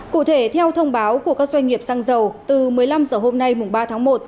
cụ thể theo thông báo của các doanh nghiệp xăng dầu từ một mươi năm h hôm nay mùng ba tháng một